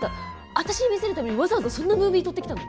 私に見せるためにわざわざそんなムービー撮ってきたの？